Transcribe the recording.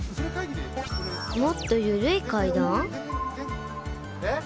もっとゆるい階段？